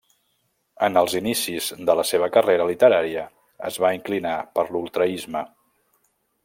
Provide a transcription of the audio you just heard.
En els inicis de la seva carrera literària es va inclinar per l'ultraisme.